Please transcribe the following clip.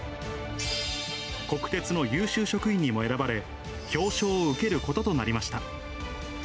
国鉄の優秀職員にも選ばれ、表彰を受けることとなりました。